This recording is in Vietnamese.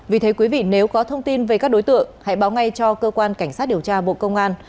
vì thế quý vị nếu có thông tin về các đối tượng hãy báo ngay cho cơ quan cảnh sát điều tra bộ công an